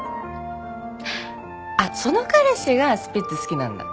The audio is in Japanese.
あっその彼氏がスピッツ好きなんだ。